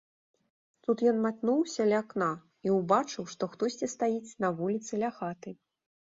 Тут ён матнуўся ля акна і ўбачыў, што хтосьці стаіць на вуліцы ля хаты.